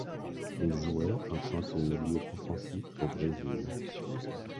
Il jouait en tant que milieu offensif au Brésil.